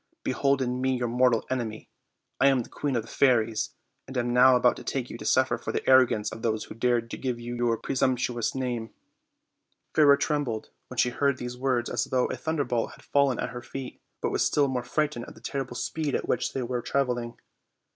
behold in me your mortal enemy. I am the queen of the fairies, and am now about to make you suffer for the arrogance of those who dared to give you your presumptuous name." Fairer trembled when she heard these words as though a thunderbolt had fallen at her feet, but was still more frightened at the terrible speed at which they were traveling.